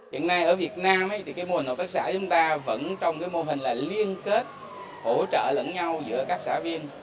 hiện nay ở việt nam thì cái mô hình hợp tác xã chúng ta vẫn trong cái mô hình là liên kết